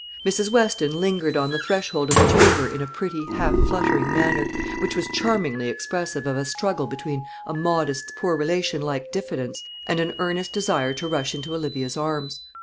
Mrs. Weston lingered on the threshold of the chamber in a pretty half fluttering manner; which was charmingly expressive of a struggle between a modest poor relation like diffidence and an earnest desire to rush into Olivia's arms.